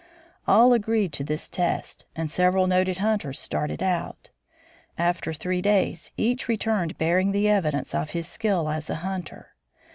All agreed to this test, and several noted hunters started out. After three days each returned bearing the evidence of his skill as a hunter.